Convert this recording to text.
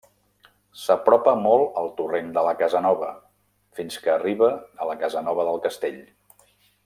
S'apropa molt al torrent de la Casanova, fins que arriba a la Casanova del Castell.